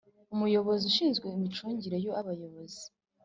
Umuyobozi ushinzwe Imicungire y Abakozi